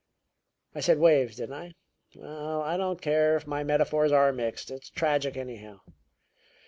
I said waves, didn't I? Well, I don't care if my metaphors are mixed. It's tragic, anyhow.